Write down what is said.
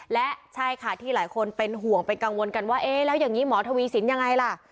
และใช่ค่ะที่หลายคนเป็นห่วงเป็นกังวลกันว่าเอ๊ะแล้วอย่างนี้หมอทวีสินยังไงล่ะ